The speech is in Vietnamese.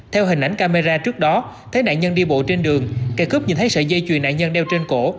theo hình ảnh camera trước đó thấy nạn nhân đi bộ trên đường kẻ cướp nhìn thấy sợi dây chuyền nạn nhân đeo trên cổ